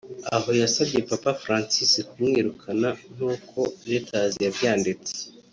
aho yasabye Papa Francis kumwirukana nk’uko Reuters yabyanditse